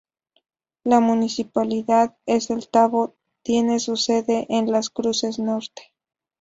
La Municipalidad de El Tabo tiene su sede en Las Cruces Norte.